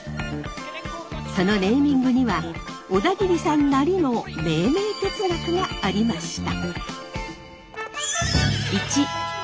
そのネーミングには小田切さんなりの「命名哲学」がありました。